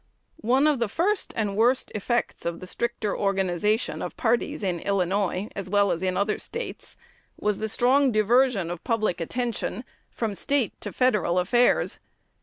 One of the first and worst effects of the stricter organization of parties in Illinois, as well as in other States, was the strong diversion of public attention from State to Federal affairs.